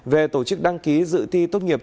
về tổ chức đăng ký dự thi tốt nghiệp